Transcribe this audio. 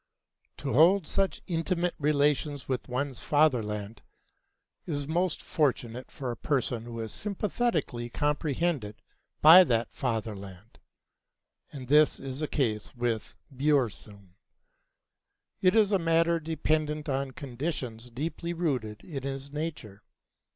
To hold such intimate relations with one's fatherland is most fortunate for a person who is sympathetically comprehended by that fatherland. And this is the case with Björnson. It is a matter dependent on conditions deeply rooted in his nature.